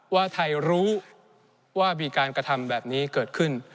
ว่าไทยรู้ว่ามีการกระทำแบบนี้เกิดขึ้น